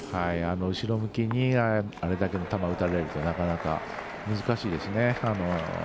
後ろ向きにあれだけの球を打たれるとなかなか、難しいですね。